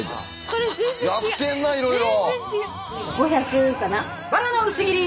やってんなあいろいろ。